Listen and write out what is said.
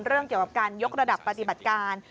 เรื่องเกี่ยวกับการยกระดับปฏิบัติการ